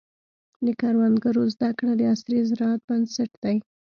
د کروندګرو زده کړه د عصري زراعت بنسټ دی.